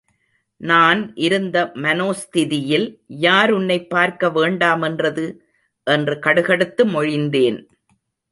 நான் இருந்த மனோஸ்திதியில் யார் உன்னைப் பார்க்க வேண்டாம் என்றது? என்று கடுகடுத்து மொழிந்தேன்.